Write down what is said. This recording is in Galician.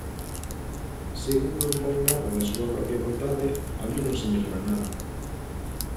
Se un non pon nada da súa propia vontade, alí non se mellora nada.